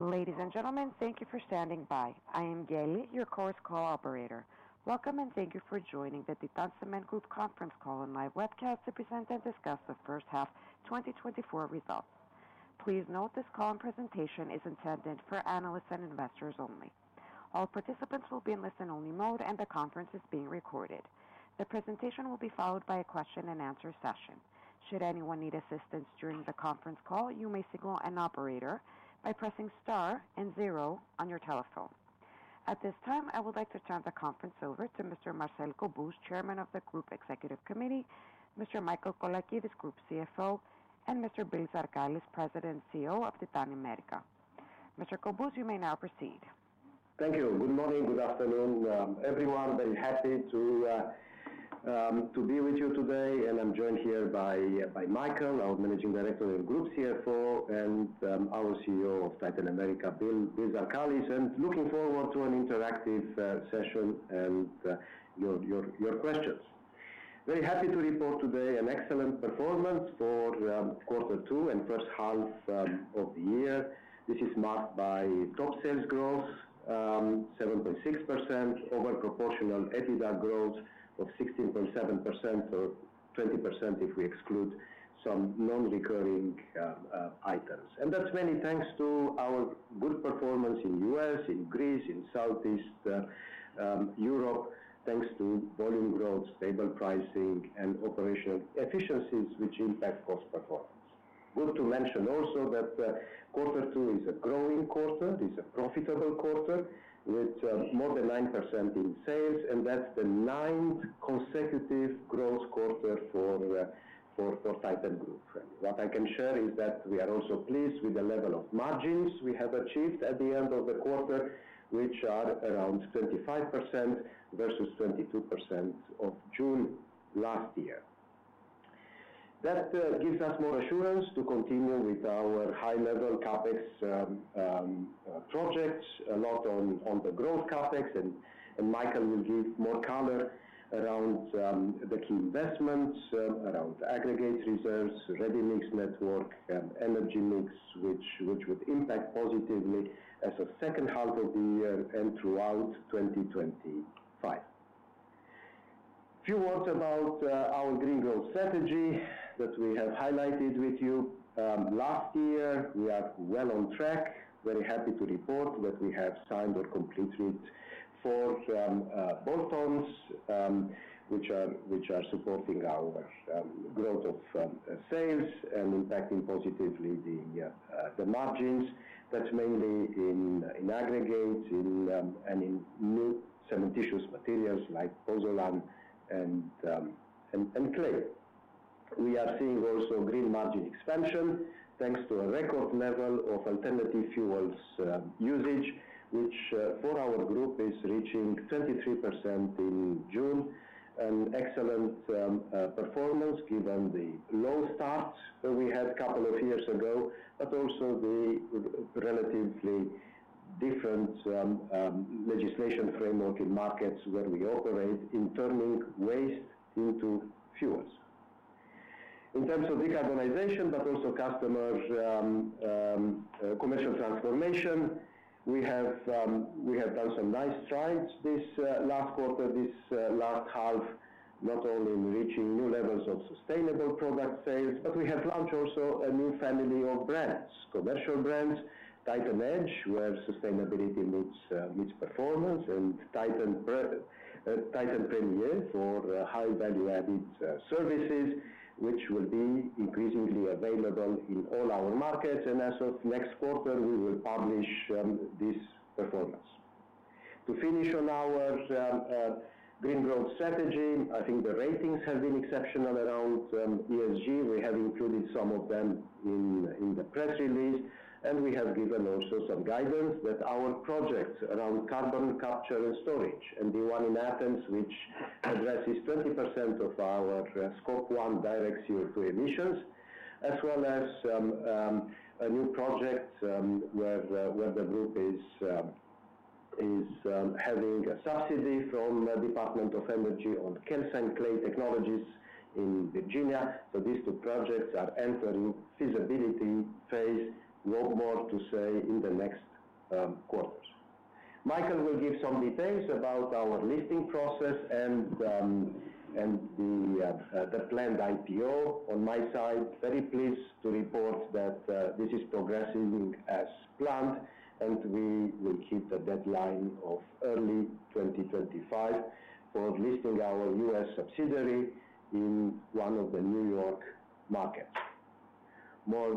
Ladies and gentlemen, thank you for standing by. I am Gail, your conference call operator. Welcome, and thank you for joining the Titan Cement Group conference call and live webcast to present and discuss the first half 2024 results. Please note this call and presentation is intended for analysts and investors only. All participants will be in listen-only mode, and the conference is being recorded. The presentation will be followed by a question-and-answer session. Should anyone need assistance during the conference call, you may signal an operator by pressing star and zero on your telephone. At this time, I would like to turn the conference over to Mr. Marcel Cobuz, Chairman of the Group Executive Committee, Mr. Michael Colakides, Group CFO, and Mr. Bill Zarkalis, President and CEO of Titan America. Mr. Cobuz, you may now proceed. Thank you. Good morning. Good afternoon, everyone. Very happy to be with you today, and I'm joined here by Michael, our Managing Director and Group CFO, and our CEO of Titan America, Bill Zarkalis, and looking forward to an interactive session and your questions. Very happy to report today an excellent performance for quarter two and first half of the year. This is marked by top sales growth 7.6%, over proportional EBITDA growth of 16.7%, or 20% if we exclude some non-recurring items. And that's many thanks to our good performance in U.S., in Greece, in Southeast Europe, thanks to volume growth, stable pricing and operational efficiencies, which impact cost performance. Good to mention also that quarter two is a growing quarter, is a profitable quarter with more than 9% in sales, and that's the ninth consecutive growth quarter for the Titan Group. What I can share is that we are also pleased with the level of margins we have achieved at the end of the quarter, which are around 25% versus 22% of June last year. That gives us more assurance to continue with our high-level CapEx projects, a lot on the growth CapEx, and Michael will give more color around the key investments around aggregate reserves, ready-mix network, and energy mix, which would impact positively as of second half of the year and throughout 2025. Few words about our green growth strategy that we have highlighted with you last year. We are well on track. Very happy to report that we have signed or completed four bolt-ons, which are supporting our growth of sales and impacting positively the margins. That's mainly in aggregate and in new cementitious materials like pozzolan and clay. We are seeing also green margin expansion, thanks to a record level of alternative fuels usage, which for our group is reaching 23% in June. An excellent performance given the low starts that we had couple of years ago, but also the relatively different legislation framework in markets where we operate in turning waste into fuels. In terms of decarbonization, but also customers, commercial transformation, we have, we have done some nice strides this, last quarter, this, last half, not only in reaching new levels of sustainable product sales, but we have launched also a new family of brands. Commercial brands, Titan Edge, where sustainability meets performance, and Titan Premier for high value-added services, which will be increasingly available in all our markets, and as of next quarter, we will publish, this performance. To finish on our green growth strategy, I think the ratings have been exceptional around, ESG. We have included some of them in the press release, and we have given also some guidance with our projects around carbon capture and storage, and the one in Athens, which addresses 20% of our Scope 1 direct CO2 emissions, as well as a new project where the group is having a subsidy from the Department of Energy on calcined clay technologies in Virginia. So these two projects are entering feasibility phase. We have more to say in the next quarters. Michael will give some details about our listing process and the planned IPO. On my side, very pleased to report that this is progressing as planned, and we will keep the deadline of early 2025 for listing our U.S. subsidiary in one of the New York markets. More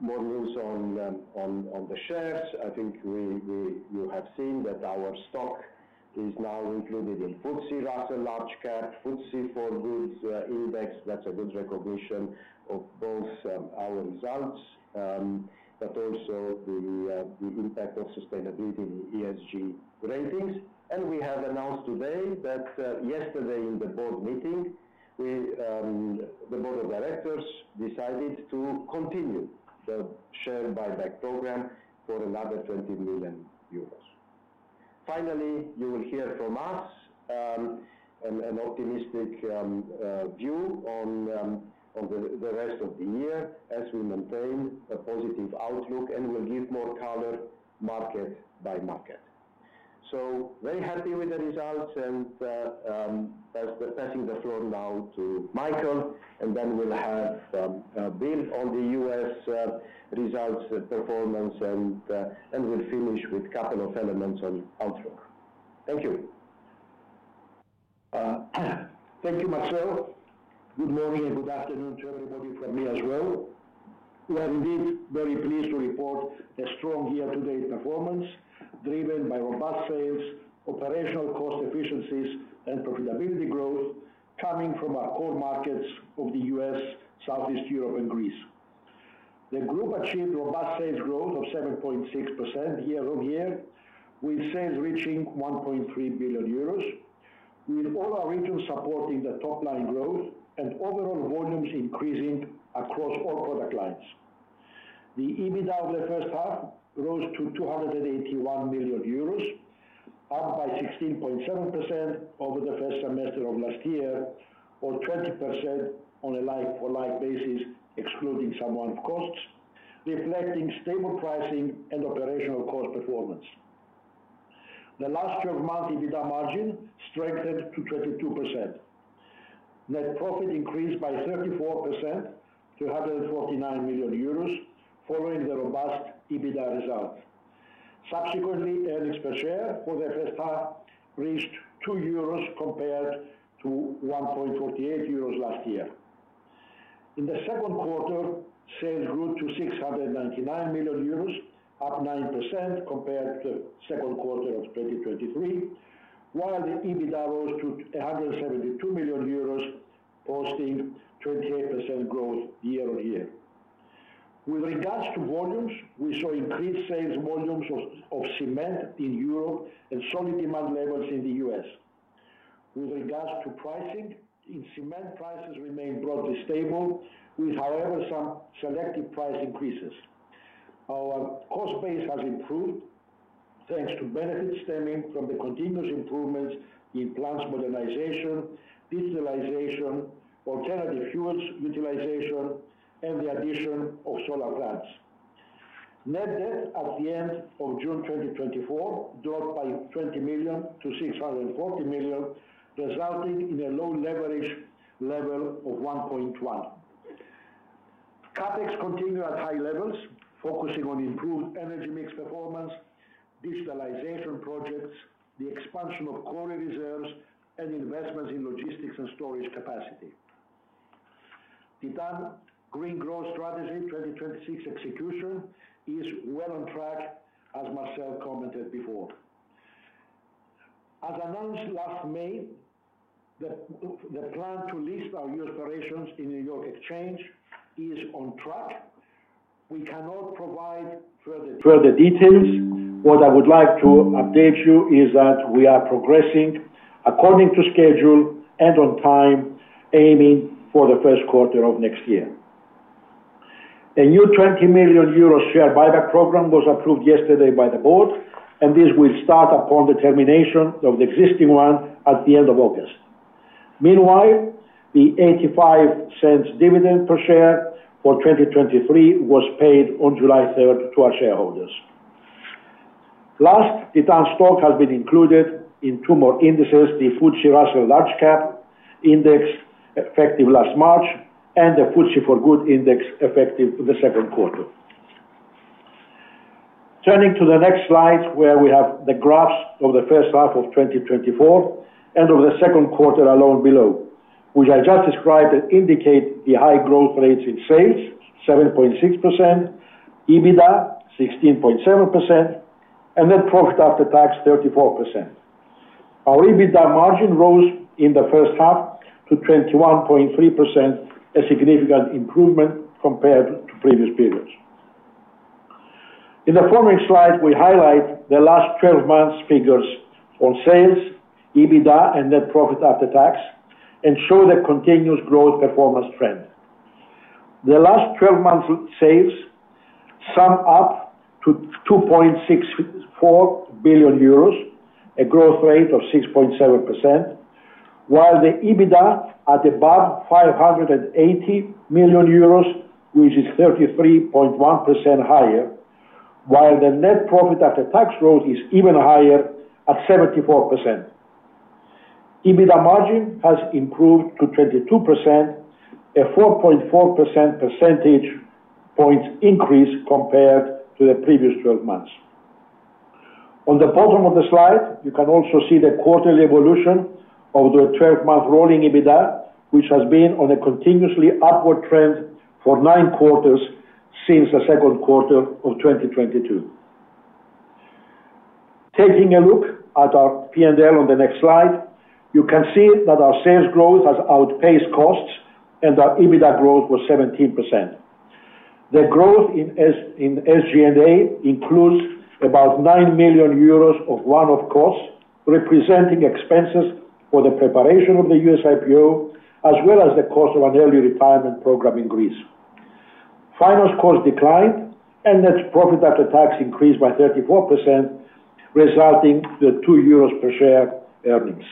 news on the shares. I think you have seen that our stock is now included in FTSE Russell Large Cap, FTSE4Good Index. That's a good recognition of both our results but also the impact of sustainability ESG ratings. We have announced today that yesterday in the board meeting the board of directors decided to continue the share buyback program for another 20 million euros. Finally, you will hear from us an optimistic view on the rest of the year as we maintain a positive outlook, and we'll give more color market by market. So very happy with the results, and I'm passing the floor now to Michael, and then we'll have Bill on the U.S. results, performance, and we'll finish with couple of elements on outlook. Thank you. Thank you, Marcel. Good morning and good afternoon to everybody from me as well. We are indeed very pleased to report a strong year-to-date performance, driven by robust sales, operational cost efficiencies, and profitability growth coming from our core markets of the U.S., Southeast Europe, and Greece. The group achieved robust sales growth of 7.6% year-over-year, with sales reaching 1.3 billion euros, with all our regions supporting the top-line growth and overall volumes increasing across all product lines. The EBITDA of the first half rose to 281 million euros, up by 16.7% over the first semester of last year, or 20% on a like-for-like basis, excluding some one-off costs, reflecting stable pricing and operational cost performance. The last 12 months, EBITDA margin strengthened to 22%. Net profit increased by 34% to 149 million euros, following the robust EBITDA results. Subsequently, earnings per share for the first half reached 2 euros compared to 1.48 euros last year. In the second quarter, sales grew to 699 million euros, up 9% compared to second quarter of 2023, while the EBITDA rose to 172 million euros, posting 28% growth year-on-year. With regards to volumes, we saw increased sales volumes of cement in Europe and solid demand levels in the U.S. With regards to pricing, in cement, prices remain broadly stable with, however, some selective price increases. Our cost base has improved, thanks to benefits stemming from the continuous improvements in plants modernization, digitalization, alternative fuels utilization, and the addition of solar plants. Net debt at the end of June 2024 dropped by 20 million to 640 million, resulting in a low leverage level of 1.1. CapEx continues at high levels, focusing on improved energy mix performance, digitalization projects, the expansion of quarry reserves, and investments in logistics and storage capacity. Titan Green Growth Strategy 2026 execution is well on track, as Marcel commented before. As announced last May, the plan to list our U.S. operations in New York Stock Exchange is on track. We cannot provide further details. What I would like to update you is that we are progressing according to schedule and on time, aiming for the first quarter of next year. A new 20 million euro share buyback program was approved yesterday by the board, and this will start upon the termination of the existing one at the end of August. Meanwhile, the €0.85 dividend per share for 2023 was paid on July 3 to our shareholders. Last, Titan stock has been included in two more indices, the FTSE Russell Large Cap Index, effective last March, and the FTSE4Good Index, effective the second quarter. Turning to the next slide, where we have the graphs of the first half of 2024 and of the second quarter alone below, which I just described, that indicate the high growth rates in sales, 7.6%, EBITDA, 16.7%, and net profit after tax, 34%. Our EBITDA margin rose in the first half to 21.3%, a significant improvement compared to previous periods. In the following slide, we highlight the last 12 months figures on sales, EBITDA, and net profit after tax, and show the continuous growth performance trend. The last 12 months sales sum up to 2.64 billion euros, a growth rate of 6.7%, while the EBITDA at above 580 million euros, which is 33.1% higher, while the net profit after tax growth is even higher at 74%. EBITDA margin has improved to 22%, a 4.4 percentage points increase compared to the previous 12 months. On the bottom of the slide, you can also see the quarterly evolution of the 12 months rolling EBITDA, which has been on a continuously upward trend for 9 quarters since the second quarter of 2022. Taking a look at our P&L on the next slide, you can see that our sales growth has outpaced costs and our EBITDA growth was 17%. The growth in SG&A includes about 9 million euros of one-off costs, representing expenses for the preparation of the U.S. IPO, as well as the cost of an early retirement program in Greece. Finance cost declined and net profit after tax increased by 34%, resulting to the 2 euros per share earnings.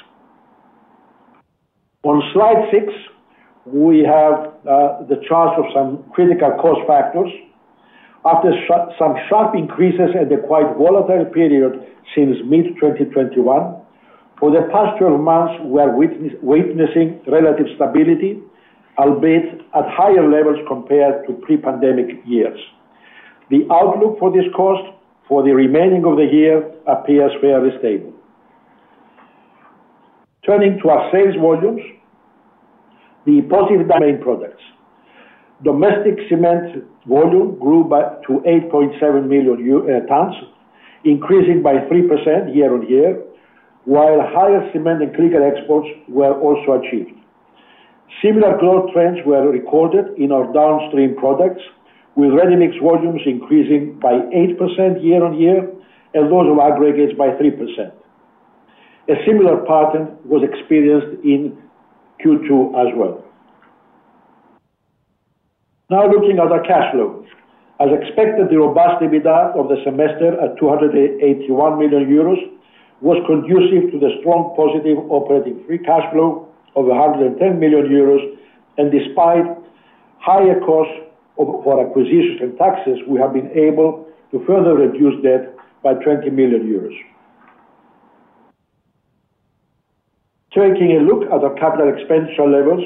On slide 6, we have the charts of some critical cost factors. After some sharp increases and a quite volatile period since mid-2021, for the past 12 months, we are witnessing relative stability, albeit at higher levels compared to pre-pandemic years. The outlook for this cost for the remaining of the year appears fairly stable. Turning to our sales volumes, the positive main products. Domestic cement volume grew by to 8.7 million tons, increasing by 3% year-on-year, while higher cement and clinker exports were also achieved. Similar growth trends were recorded in our downstream products, with ready-mix volumes increasing by 8% year-on-year, and those of aggregates by 3%. A similar pattern was experienced in Q2 as well. Now looking at our cash flow. As expected, the robust EBITDA of the semester at 281 million euros was conducive to the strong positive operating free cash flow of 110 million euros, and despite higher costs of our acquisitions and taxes, we have been able to further reduce debt by 20 million euros. Taking a look at our capital expenditure levels,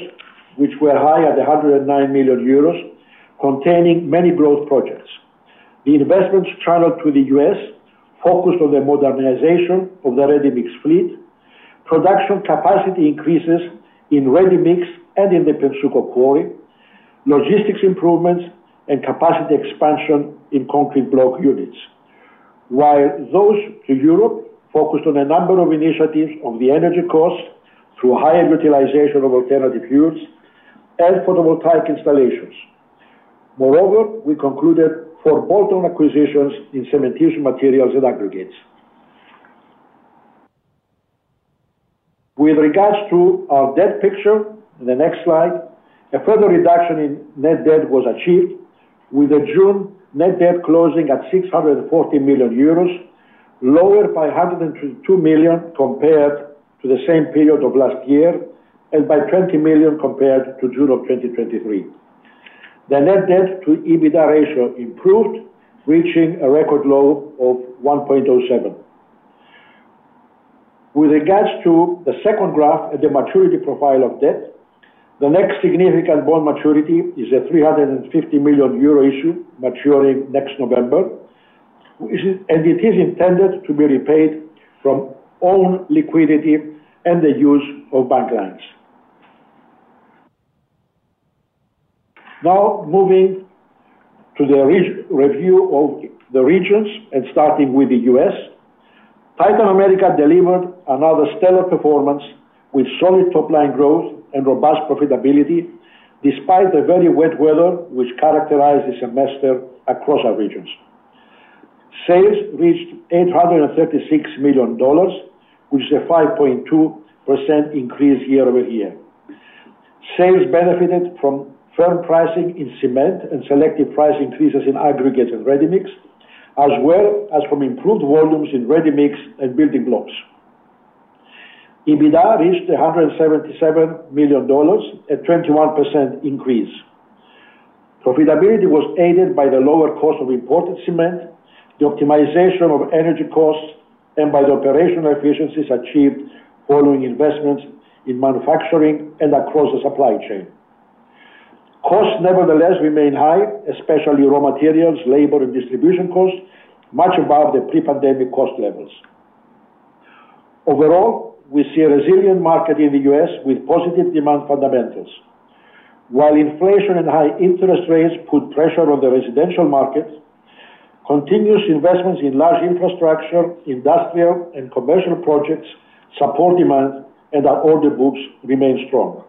which were high at 109 million euros, containing many growth projects. The investments channeled to the U.S. focused on the modernization of the ready-mix fleet, production capacity increases in ready-mix and in the Pennsuco Quarry, logistics improvements, and capacity expansion in concrete block units. While those to Europe focused on a number of initiatives on the energy cost through higher utilization of alternative fuels and photovoltaic installations. Moreover, we concluded four bolt-on acquisitions in cementation materials and aggregates. With regards to our debt picture, in the next slide, a further reduction in net debt was achieved, with the June net debt closing at 640 million euros, lower by 102 million compared to the same period of last year and by 20 million compared to June of 2023. The net debt to EBITDA ratio improved, reaching a record low of 1.07. With regards to the second graph and the maturity profile of debt, the next significant bond maturity is a 350 million euro issue maturing next November, which is and it is intended to be repaid from own liquidity and the use of bank loans. Now, moving to the review of the regions and starting with the U.S. Titan America delivered another stellar performance with solid top-line growth and robust profitability, despite the very wet weather which characterized the semester across our regions. Sales reached $836 million, which is a 5.2% increase year-over-year. Sales benefited from firm pricing in cement and selective price increases in aggregates and ready-mix, as well as from improved volumes in ready-mix and building blocks. EBITDA reached $177 million, a 21% increase. Profitability was aided by the lower cost of imported cement, the optimization of energy costs, and by the operational efficiencies achieved following investments in manufacturing and across the supply chain. Costs, nevertheless, remain high, especially raw materials, labor, and distribution costs, much above the pre-pandemic cost levels. Overall, we see a resilient market in the U.S. with positive demand fundamentals. While inflation and high interest rates put pressure on the residential market, continuous investments in large infrastructure, industrial, and commercial projects support demand, and our order books remain strong.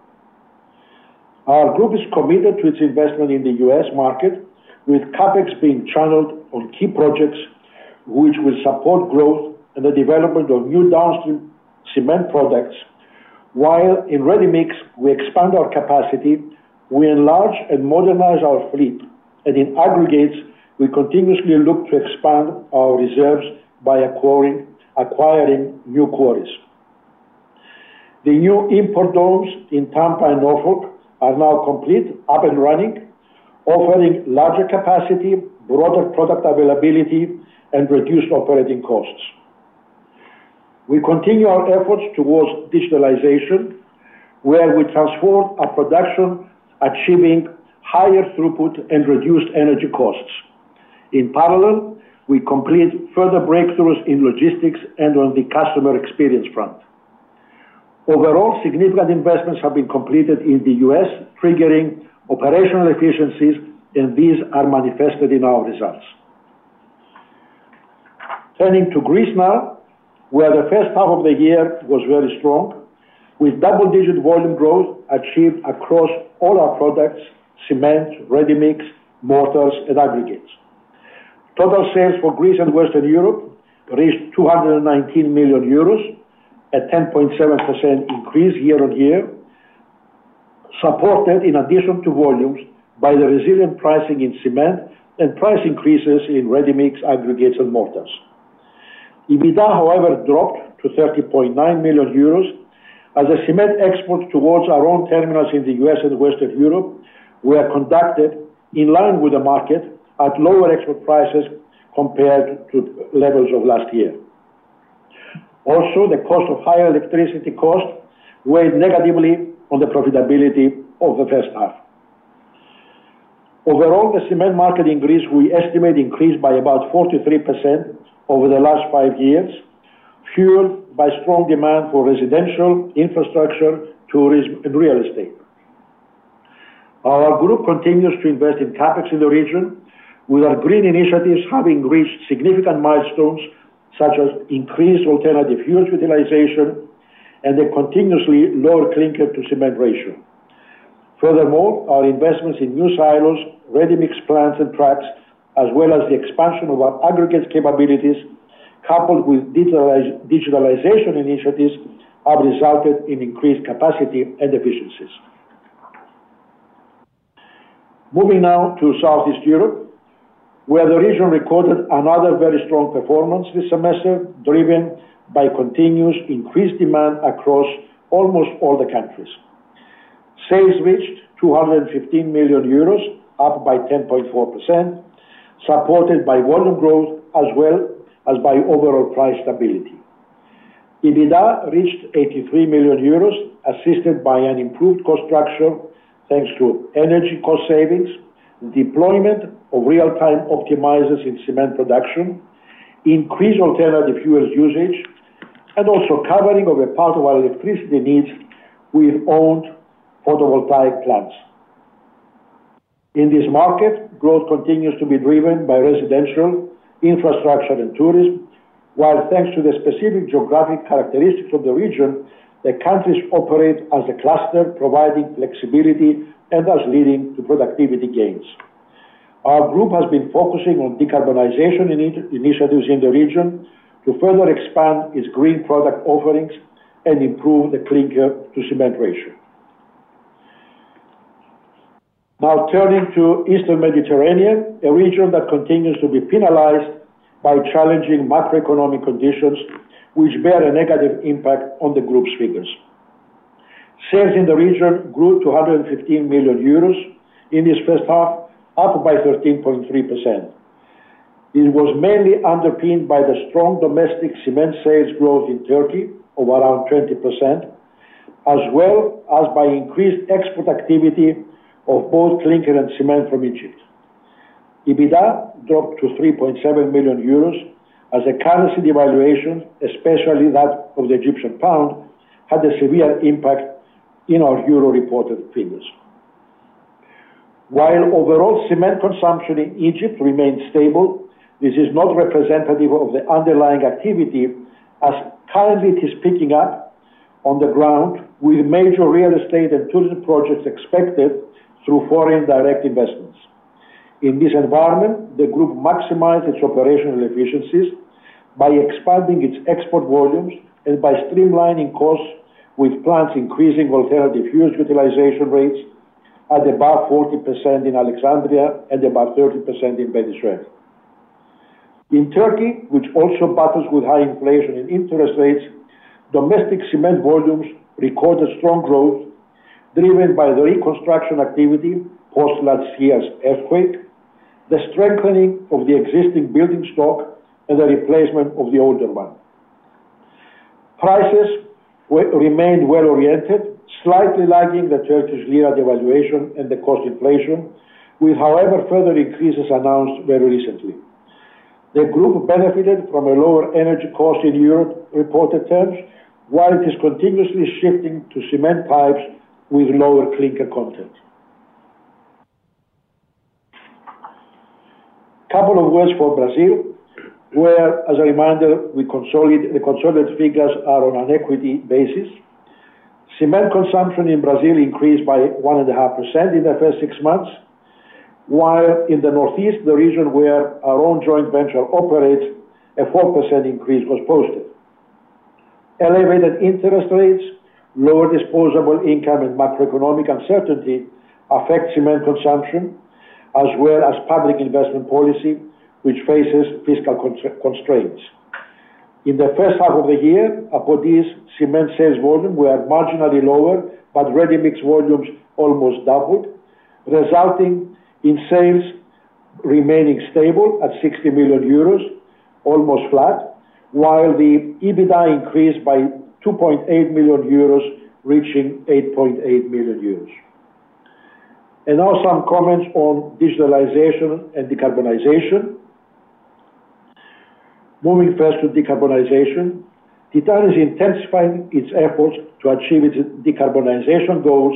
Our group is committed to its investment in the U.S. market, with CapEx being channeled on key projects, which will support growth and the development of new downstream cement products. While in ready-mix, we expand our capacity, we enlarge and modernize our fleet, and in aggregates, we continuously look to expand our reserves by acquiring, acquiring new quarries. The new import domes in Tampa and Norfolk are now complete, up and running, offering larger capacity, broader product availability, and reduced operating costs. We continue our efforts towards digitalization, where we transform our production, achieving higher throughput and reduced energy costs. In parallel, we complete further breakthroughs in logistics and on the customer experience front. Overall, significant investments have been completed in the U.S., triggering operational efficiencies, and these are manifested in our results. Turning to Greece now, where the first half of the year was very strong, with double-digit volume growth achieved across all our products: cement, ready-mix, mortars, and aggregates. Total sales for Greece and Western Europe reached 219 million euros, a 10.7% increase year-on-year, supported in addition to volumes by the resilient pricing in cement and price increases in ready-mix aggregates and mortars. EBITDA, however, dropped to 30.9 million euros, as the cement exports towards our own terminals in the U.S. and Western Europe were conducted in line with the market at lower export prices compared to levels of last year. Also, the cost of higher electricity costs weighed negatively on the profitability of the first half. Overall, the cement market in Greece, we estimate, increased by about 43% over the last five years, fueled by strong demand for residential, infrastructure, tourism, and real estate. Our group continues to invest in CapEx in the region, with our green initiatives having reached significant milestones, such as increased alternative fuels utilization and a continuously lower clinker-to-cement ratio. Furthermore, our investments in new silos, ready-mix plants and trucks, as well as the expansion of our aggregates capabilities, coupled with digitalization initiatives, have resulted in increased capacity and efficiencies. Moving now to Southeast Europe, where the region recorded another very strong performance this semester, driven by continuous increased demand across almost all the countries. Sales reached 215 million euros, up by 10.4%, supported by volume growth as well as by overall price stability. EBITDA reached 83 million euros, assisted by an improved cost structure, thanks to energy cost savings, deployment of real-time optimizers in cement production, increased alternative fuels usage, and also covering of a part of our electricity needs with owned photovoltaic plants. In this market, growth continues to be driven by residential, infrastructure, and tourism, while thanks to the specific geographic characteristics of the region, the countries operate as a cluster, providing flexibility and thus leading to productivity gains. Our group has been focusing on decarbonization in its initiatives in the region to further expand its green product offerings and improve the clinker-to-cement ratio. Now, turning to Eastern Mediterranean, a region that continues to be penalized by challenging macroeconomic conditions, which bear a negative impact on the group's figures. Sales in the region grew to 115 million euros in this first half, up by 13.3%. It was mainly underpinned by the strong domestic cement sales growth in Turkey of around 20%, as well as by increased export activity of both clinker and cement from Egypt. EBITDA dropped to 3.7 million euros as the currency devaluation, especially that of the Egyptian pound, had a severe impact in our euro-reported figures. While overall cement consumption in Egypt remains stable, this is not representative of the underlying activity, as currently it is picking up on the ground, with major real estate and tourism projects expected through foreign direct investments. In this environment, the group maximized its operational efficiencies by expanding its export volumes and by streamlining costs with plants increasing alternative fuels utilization rates at about 40% in Alexandria and about 30% in Beni Suef. In Turkey, which also battles with high inflation and interest rates, domestic cement volumes recorded strong growth driven by the reconstruction activity post last year's earthquake, the strengthening of the existing building stock, and the replacement of the older one. Prices remained well-oriented, slightly lagging the Turkish lira devaluation and the cost inflation, with however, further increases announced very recently. The group benefited from a lower energy cost in Europe-reported terms, while it is continuously shifting to cement types with lower clinker content. Couple of words for Brazil, where, as a reminder, we consolidate. The consolidated figures are on an equity basis. Cement consumption in Brazil increased by 1.5% in the first six months, while in the northeast, the region where our own joint venture operates, a 4% increase was posted. Elevated interest rates, lower disposable income, and macroeconomic uncertainty affect cement consumption, as well as public investment policy, which faces fiscal constraints. In the first half of the year, Apodi cement sales volume were marginally lower, but ready-mix volumes almost doubled, resulting in sales remaining stable at 60 million euros, almost flat, while the EBITDA increased by 2.8 million euros, reaching 8.8 million euros. Now some comments on digitalization and decarbonization. Moving first to decarbonization, Titan is intensifying its efforts to achieve its decarbonization goals,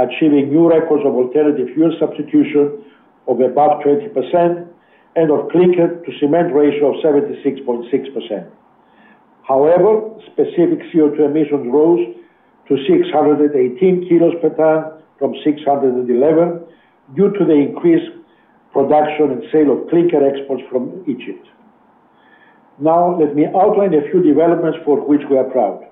achieving new records of alternative fuel substitution of about 20% and of clinker-to-cement ratio of 76.6%. However, specific CO2 emissions rose to 618 kilos per ton from 611, due to the increased production and sale of clinker exports from Egypt. Now, let me outline a few developments for which we are proud.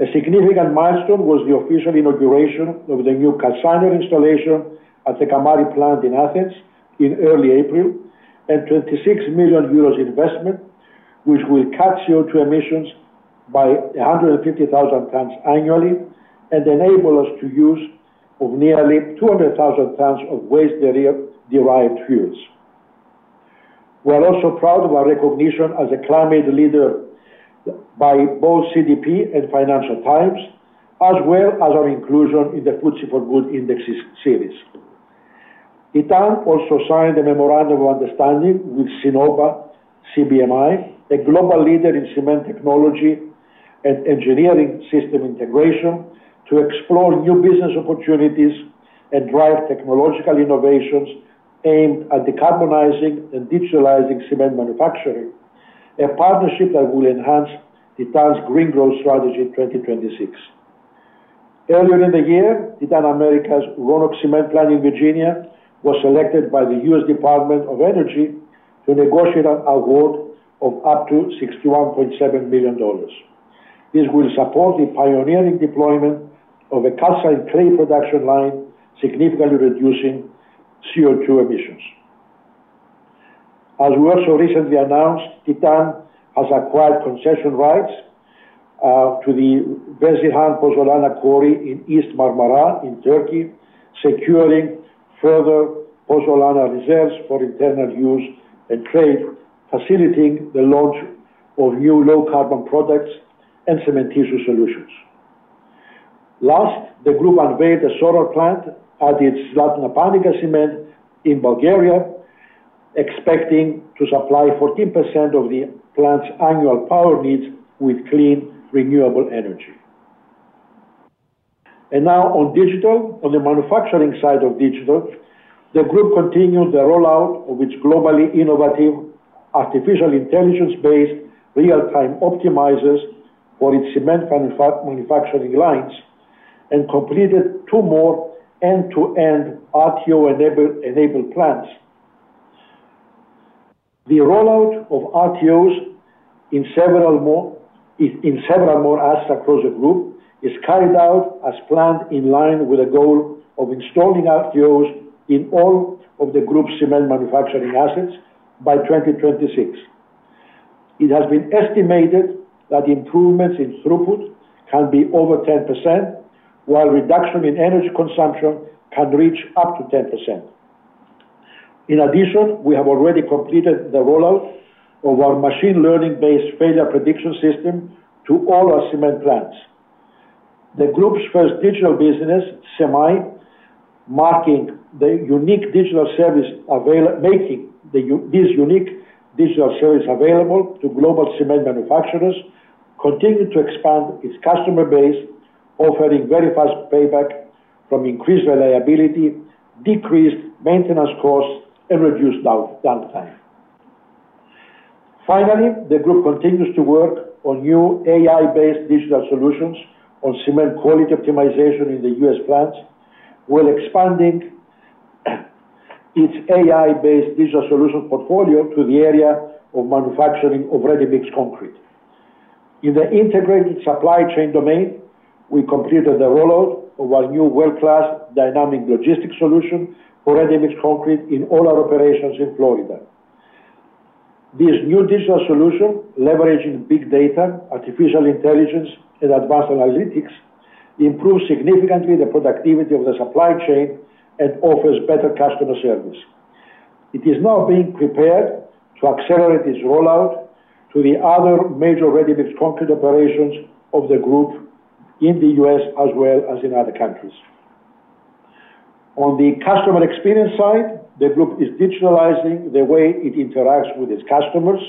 A significant milestone was the official inauguration of the new calciner installation at the Kamari plant in Athens in early April, and 26 million euros investment, which will cut CO2 emissions by 150,000 tons annually, and enable us to use of nearly 200,000 tons of waste-derived fuels. We are also proud of our recognition as a climate leader by both CDP and Financial Times, as well as our inclusion in the FTSE4Good Index Series. Titan also signed a memorandum of understanding with Sinoma CBMI, a global leader in cement technology and engineering system integration, to explore new business opportunities and drive technological innovations aimed at decarbonizing and digitalizing cement manufacturing. A partnership that will enhance Titan's Green Growth Strategy 2026. Earlier in the year, Titan America's Roanoke Cement plant in Virginia was selected by the U.S. Department of Energy to negotiate an award of up to $61.7 billion. This will support the pioneering deployment of a calcined clay production line, significantly reducing CO2 emissions. As we also recently announced, Titan has acquired concession rights to the Vezirhan Pozzolana Quarry in East Marmara in Turkey, securing further pozzolana reserves for internal use and trade, facilitating the launch of new low-carbon products and cementitious solutions. Last, the group unveiled a solar plant at its Zlatna Panega Cement in Bulgaria, expecting to supply 14% of the plant's annual power needs with clean, renewable energy. And now on digital. On the manufacturing side of digital, the group continued the rollout of its globally innovative, artificial intelligence-based, real-time optimizers for its cement manufacturing lines, and completed two more end-to-end RTO-enabled plants. The rollout of RTOs in several more assets across the group is carried out as planned, in line with the goal of installing RTOs in all of the group's cement manufacturing assets by 2026. It has been estimated that improvements in throughput can be over 10%, while reduction in energy consumption can reach up to 10%. In addition, we have already completed the rollout of our machine learning-based failure prediction system to all our cement plants. The group's first digital business, CemAI, making this unique digital service available to global cement manufacturers, continued to expand its customer base, offering very fast payback from increased reliability, decreased maintenance costs, and reduced downtime. Finally, the group continues to work on new AI-based digital solutions on cement quality optimization in the U.S. plants, while expanding its AI-based digital solution portfolio to the area of manufacturing of ready-mix concrete. In the integrated supply chain domain, we completed the rollout of our new world-class dynamic logistics solution for ready-mix concrete in all our operations in Florida. This new digital solution, leveraging big data, artificial intelligence, and advanced analytics, improves significantly the productivity of the supply chain and offers better customer service. It is now being prepared to accelerate its rollout to the other major ready-mix concrete operations of the group in the U.S., as well as in other countries. On the customer experience side, the group is digitalizing the way it interacts with its customers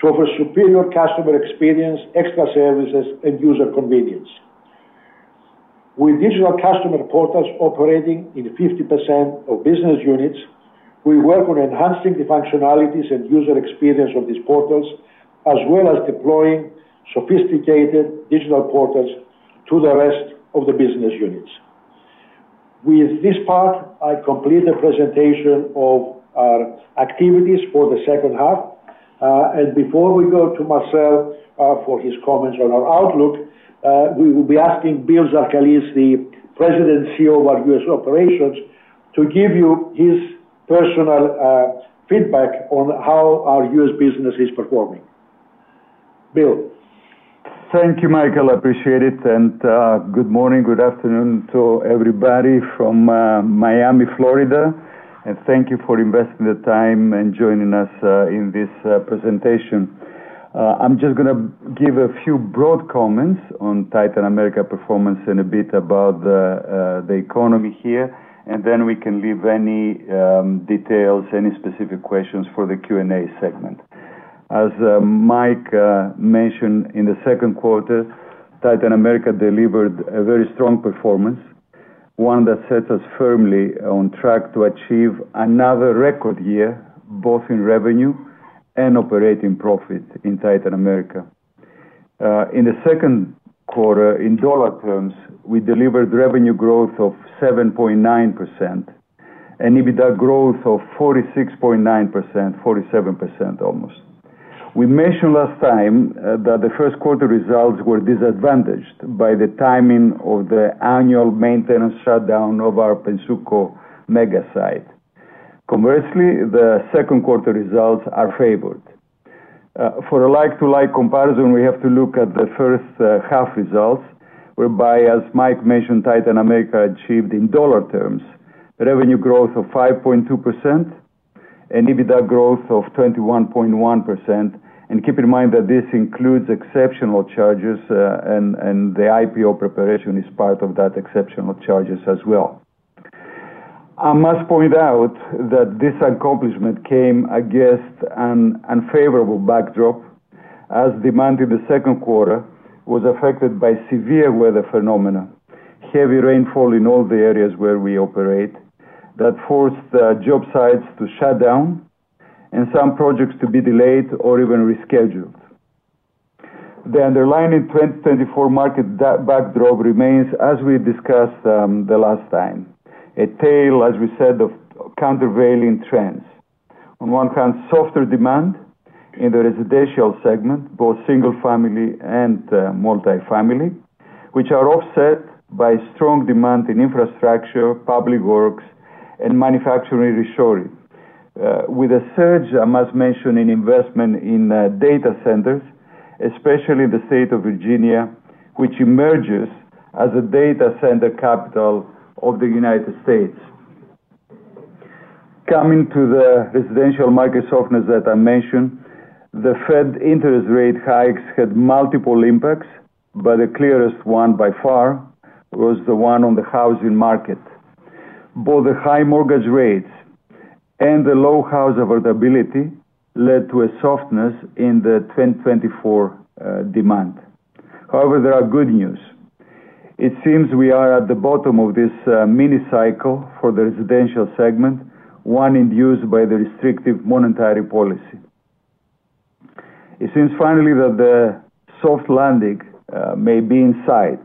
to offer superior customer experience, extra services, and user convenience. With digital customer portals operating in 50% of business units, we work on enhancing the functionalities and user experience of these portals, as well as deploying sophisticated digital portals to the rest of the business units. With this part, I complete the presentation of our activities for the second half. Before we go to Marcel for his comments on our outlook, we will be asking Bill Zarkalis, the President and CEO of our U.S. operations, to give you his personal feedback on how our U.S. business is performing. Bill? Thank you, Michael. I appreciate it, and good morning, good afternoon to everybody from Miami, Florida. Thank you for investing the time and joining us in this presentation. I'm just gonna give a few broad comments on Titan America performance and a bit about the economy here, and then we can leave any details, any specific questions for the Q&A segment. As Mike mentioned, in the second quarter, Titan America delivered a very strong performance, one that sets us firmly on track to achieve another record year, both in revenue and operating profit in Titan America. In the second quarter, in dollar terms, we delivered revenue growth of 7.9%, and EBITDA growth of 46.9%, 47% almost. We mentioned last time that the first quarter results were disadvantaged by the timing of the annual maintenance shutdown of our Pennsuco mega site. Conversely, the second quarter results are favored. For a like-to-like comparison, we have to look at the first half results, whereby, as Mike mentioned, Titan America achieved in dollar terms, revenue growth of 5.2% and EBITDA growth of 21.1%. And keep in mind that this includes exceptional charges, and the IPO preparation is part of that exceptional charges as well. I must point out that this accomplishment came against an unfavorable backdrop, as demand in the second quarter was affected by severe weather phenomena, heavy rainfall in all the areas where we operate, that forced the job sites to shut down and some projects to be delayed or even rescheduled. The underlying 2024 market that backdrop remains, as we discussed, the last time, a tale, as we said, of countervailing trends. On one hand, softer demand in the residential segment, both single family and, multifamily, which are offset by strong demand in infrastructure, public works and manufacturing reshoring. With a surge, I must mention, in investment in, data centers, especially the state of Virginia, which emerges as a data center capital of the United States. Coming to the residential market softness that I mentioned, the Fed interest rate hikes had multiple impacts, but the clearest one by far was the one on the housing market. Both the high mortgage rates and the low house availability led to a softness in the 2024, demand. However, there are good news. It seems we are at the bottom of this, mini cycle for the residential segment, one induced by the restrictive monetary policy. It seems finally that the soft landing, may be in sight.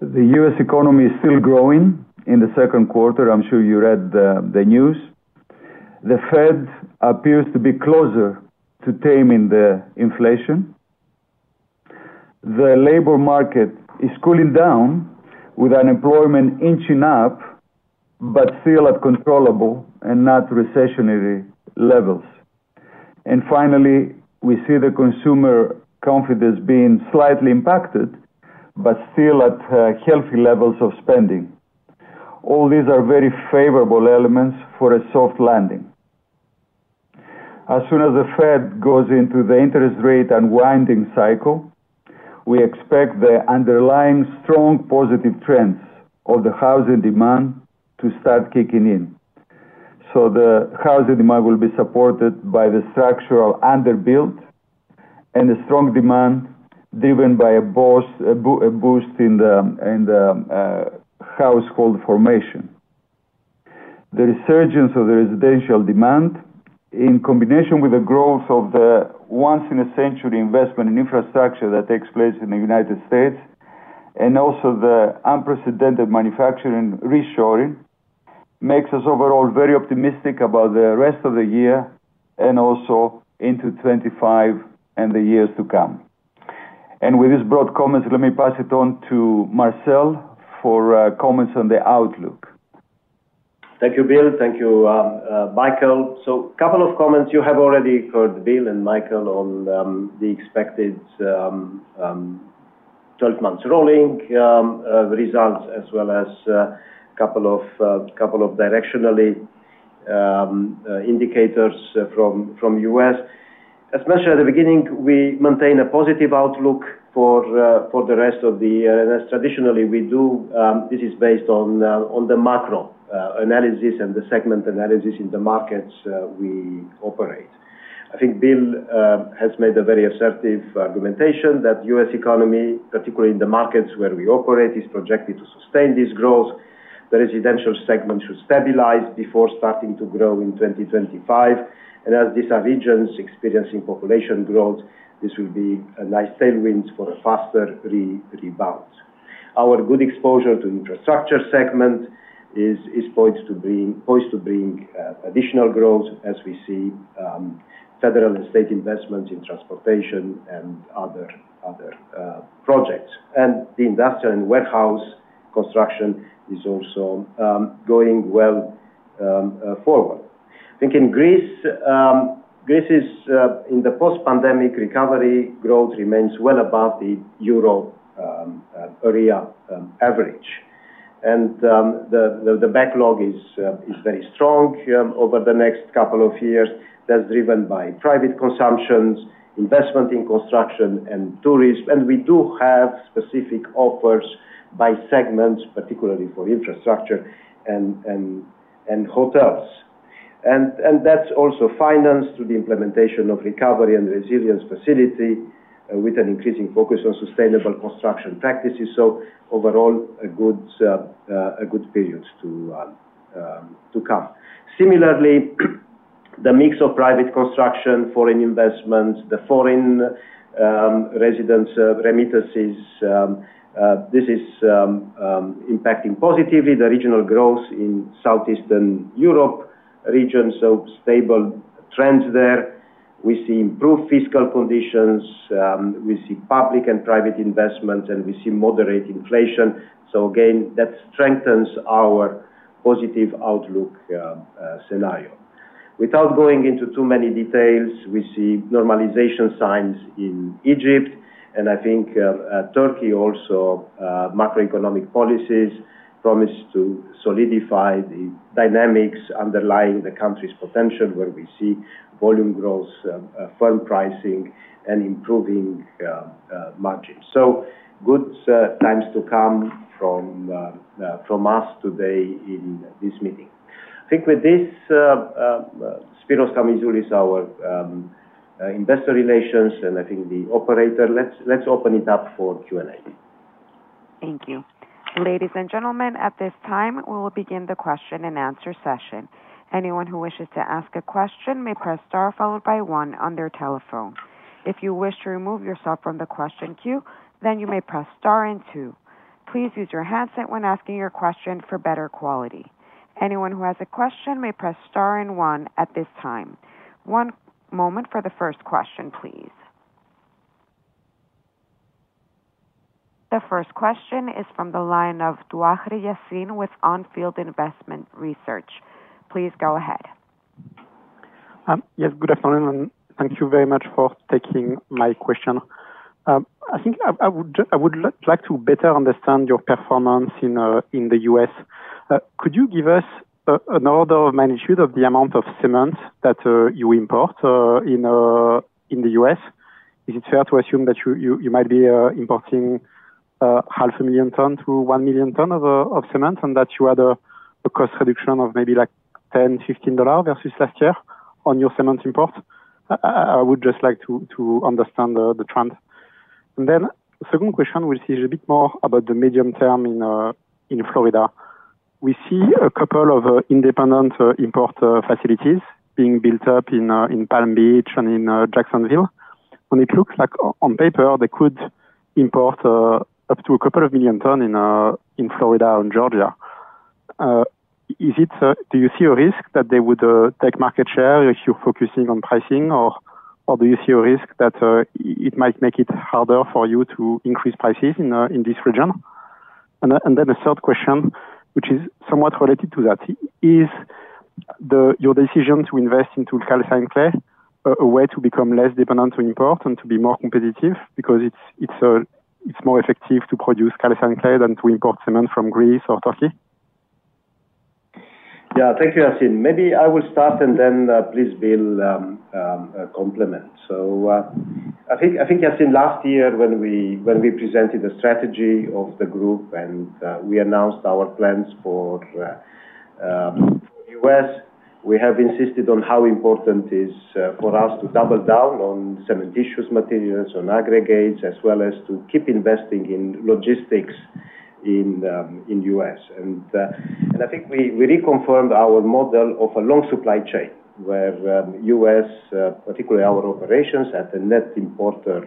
The U.S. economy is still growing in the second quarter. I'm sure you read the, the news. The Fed appears to be closer to taming the inflation. The labor market is cooling down, with unemployment inching up, but still at controllable and not recessionary levels. And finally, we see the consumer confidence being slightly impacted, but still at, healthy levels of spending. All these are very favorable elements for a soft landing. As soon as the Fed goes into the interest rate unwinding cycle, we expect the underlying strong positive trends of the housing demand to start kicking in. So the housing demand will be supported by the structural underbuilt and a strong demand, driven by a boost in the household formation. The resurgence of the residential demand, in combination with the growth of the once-in-a-century investment in infrastructure that takes place in the United States, and also the unprecedented manufacturing reshoring, makes us overall very optimistic about the rest of the year and also into 25 and the years to come. And with this broad comments, let me pass it on to Marcel for comments on the outlook. Thank you, Bill. Thank you, Michael. So couple of comments. You have already heard Bill and Michael on the expected 12 months rolling results, as well as couple of directionally indicators from U.S. Especially at the beginning, we maintain a positive outlook for the rest of the year, as traditionally we do. This is based on the macro analysis and the segment analysis in the markets we operate. I think Bill has made a very assertive argumentation that U.S. economy, particularly in the markets where we operate, is projected to sustain this growth. The residential segment should stabilize before starting to grow in 2025, and as these are regions experiencing population growth, this will be a nice tailwind for a faster rebalance. Our good exposure to infrastructure segment is poised to bring additional growth as we see federal and state investment in transportation and other projects. And the industrial and warehouse construction is also going well forward. I think in Greece, Greece is in the post-pandemic recovery, growth remains well above the euro area average. And the backlog is very strong over the next couple of years. That's driven by private consumptions, investment in construction and tourism. And we do have specific offers by segments, particularly for infrastructure and hotels. And that's also financed through the implementation of Recovery and Resilience Facility with an increasing focus on sustainable construction practices. So overall, a good period to come. Similarly, the mix of private construction, foreign investments, the foreign residents, remittances, this is impacting positively the regional growth in Southeastern Europe region. So stable trends there. We see improved fiscal conditions, we see public and private investment, and we see moderate inflation. So again, that strengthens our positive outlook, scenario. Without going into too many details, we see normalization signs in Egypt, and I think, Turkey also, macroeconomic policies promise to solidify the dynamics underlying the country's potential, where we see volume growth, firm pricing, and improving, margins. So good times to come from, from us today in this meeting. I think with this, Spyros Kamizoulis, our investor relations, and I think the operator, let's, let's open it up for Q&A. Thank you. Ladies and gentlemen, at this time, we will begin the question and answer session. Anyone who wishes to ask a question may press star, followed by one on their telephone. If you wish to remove yourself from the question queue, then you may press star and two. Please use your handset when asking your question for better quality. Anyone who has a question may press star and one at this time. One moment for the first question, please. The first question is from the line of Yassine Touahri with Onfield Investment Research. Please go ahead. Yes, good afternoon, and thank you very much for taking my question. I think I would like to better understand your performance in the US. Could you give us an order of magnitude of the amount of cement that you import in the US? Is it fair to assume that you might be importing 500,000 tons to 1 million tons of cement, and that you had a cost reduction of maybe, like, $10-$15 versus last year on your cement import? I would just like to understand the trend. And then the second question, which is a bit more about the medium term in Florida. We see a couple of independent import facilities being built up in Palm Beach and in Jacksonville. And it looks like on paper, they could import up to 2 million tons in Florida and Georgia. Is it, do you see a risk that they would take market share if you're focusing on pricing? Or do you see a risk that it might make it harder for you to increase prices in this region? And then the third question, which is somewhat related to that: Is your decision to invest into calcined clay a way to become less dependent on import and to be more competitive? Because it's more effective to produce calcined clay than to import cement from Greece or Turkey. Yeah. Thank you, Yassine. Maybe I will start, and then, please, Bill, complement. So, I think, I think, Yassine, last year, when we, when we presented the strategy of the group, and, we announced our plans for, U.S., we have insisted on how important is, for us to double down on cementitious materials, on aggregates, as well as to keep investing in logistics in, in US. And, and I think we, we reconfirmed our model of a long supply chain, where, U.S., particularly our operations at the net importer,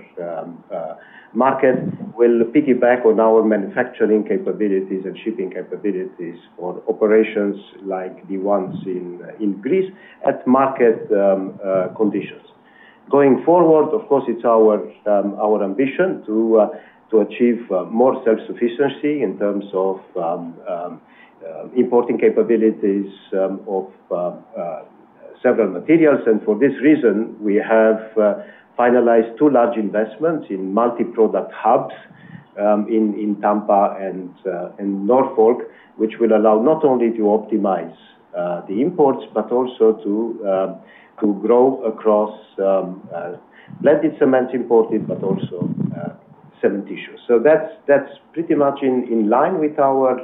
market, will piggyback on our manufacturing capabilities and shipping capabilities for operations like the ones in, in Greece at market conditions. Going forward, of course, it's our ambition to achieve more self-sufficiency in terms of importing capabilities of several materials. And for this reason, we have finalized two large investments in multi-product hubs in Tampa and in Norfolk, which will allow not only to optimize the imports but also to grow across blended cement imported, but also cementitious. So that's pretty much in line with our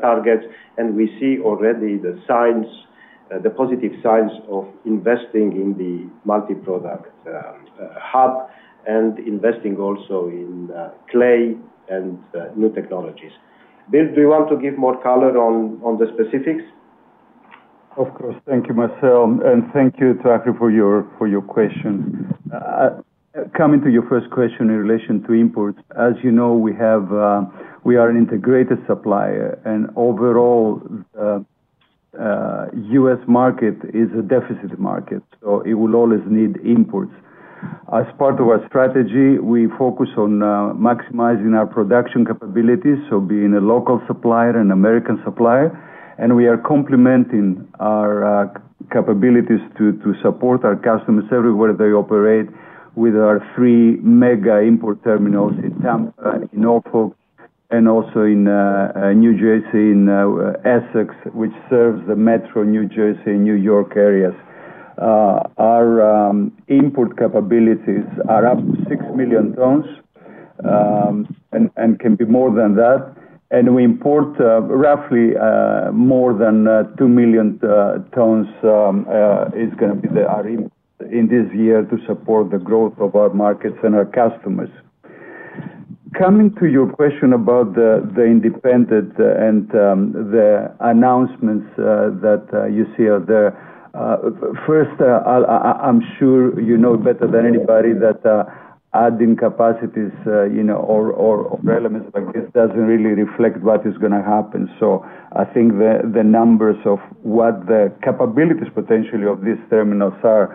targets, and we see already the signs, the positive signs of investing in the multi-product hub and investing also in clay and new technologies. Bill, do you want to give more color on the specifics? Of course. Thank you, Marcel, and thank you, Touahri, for your question. Coming to your first question in relation to imports, as you know, we are an integrated supplier, and overall, U.S. market is a deficit market, so it will always need imports. As part of our strategy, we focus on maximizing our production capabilities, so being a local supplier and American supplier, and we are complementing our capabilities to support our customers everywhere they operate with our three mega import terminals in Tampa, in Norfolk, and also in New Jersey, in Essex, which serves the metro New Jersey, New York areas. Our input capabilities are up 6 million tons, and can be more than that. We import roughly more than 2 million tons is going to be the RE in this year to support the growth of our markets and our customers. Coming to your question about the independent and the announcements that you see out there. First, I'm sure you know better than anybody that adding capacities you know or elements like this doesn't really reflect what is going to happen. So I think the numbers of what the capabilities potentially of these terminals are,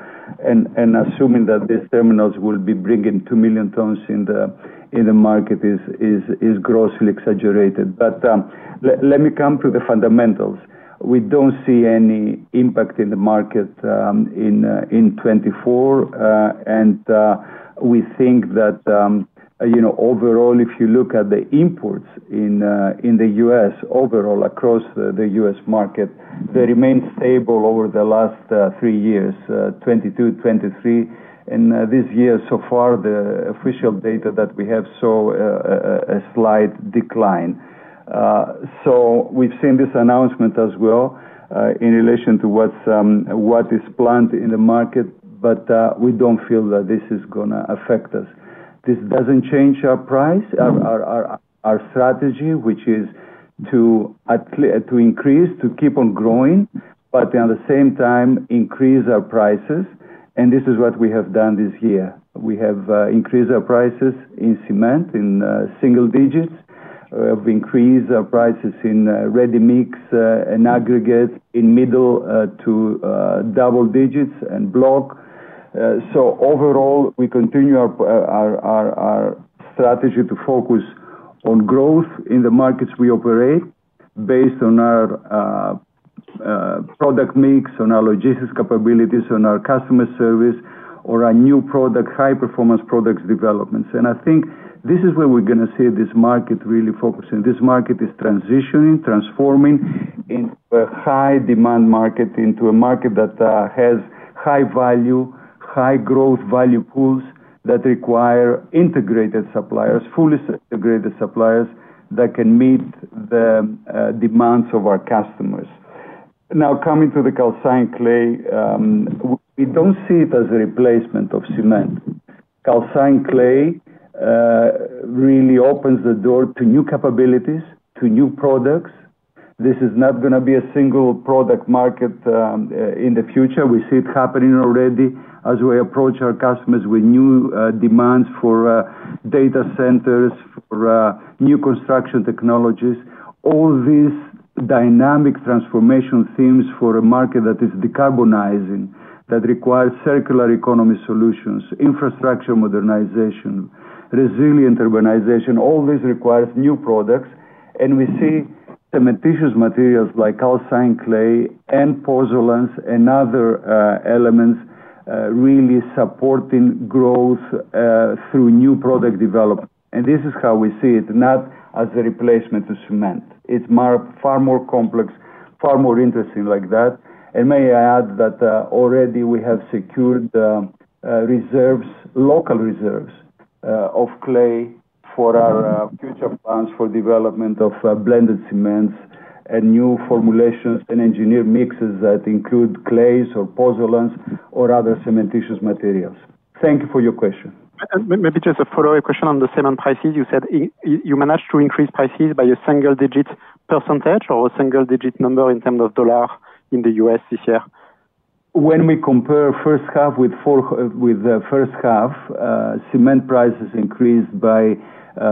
and assuming that these terminals will be bringing 2 million tons in the market is grossly exaggerated. But let me come to the fundamentals. We don't see any impact in the market in 2024. And we think that, you know, overall, if you look at the imports in the U.S., overall, across the U.S. market, they remain stable over the last three years, 2022, 2023. And this year, so far, the official data that we have saw a slight decline. So we've seen this announcement as well, in relation to what is planned in the market, but we don't feel that this is going to affect us. This doesn't change our price, our strategy, which is to increase, to keep on growing, but at the same time, increase our prices. And this is what we have done this year. We have increased our prices in cement in single digits. We have increased our prices in ready mix and aggregate in mid- to double digits and block. So overall, we continue our strategy to focus on growth in the markets we operate, based on our product mix, on our logistics capabilities, on our customer service, or our new product, high performance products developments. And I think this is where we're going to see this market really focusing. This market is transitioning, transforming into a high demand market, into a market that has high value, high growth value pools that require integrated suppliers, fully integrated suppliers, that can meet the demands of our customers. Now, coming to the calcined clay, we don't see it as a replacement of cement. Calcined clay really opens the door to new capabilities, to new products. This is not going to be a single product market, in the future. We see it happening already as we approach our customers with new, demands for, data centers, for, new construction technologies. All these dynamic transformation themes for a market that is decarbonizing, that requires circular economy solutions, infrastructure modernization, resilient urbanization, all this requires new products. And we see cementitious materials like calcined clay and pozzolans and other, elements, really supporting growth, through new product development. And this is how we see it, not as a replacement to cement. It's far more complex, far more interesting like that. May I add that already we have secured reserves, local reserves, of clay for our future plans for development of blended cements and new formulations and engineered mixes that include clays or pozzolans or other cementitious materials. Thank you for your question. Maybe just a follow-up question on the cement prices. You said you managed to increase prices by a single digit percentage or a single digit number in terms of dollars in the U.S. this year? When we compare first half with the first half, cement prices increased by